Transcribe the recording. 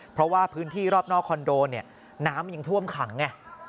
เพราะว่าพื้นที่รอบนอกคอนโดเนี่ยน้ำมันยังท่วมขังไง